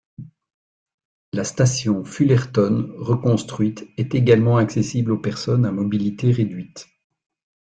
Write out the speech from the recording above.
La station Fullerton reconstruite est également accessible aux personnes à mobilité réduite.